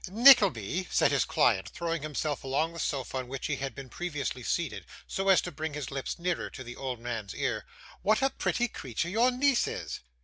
'Nickleby,' said his client, throwing himself along the sofa on which he had been previously seated, so as to bring his lips nearer to the old man's ear, 'what a pretty creature your niece is!